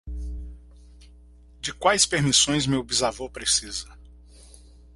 De quais permissões meu bisavô precisa?